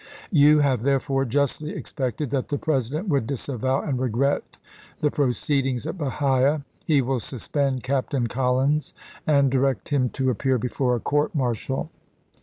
You have, therefore, justly ex pected that the President would disavow and regret the proceedings at Bahia. He will suspend Captain Collins, and direct him to appear before a court martial.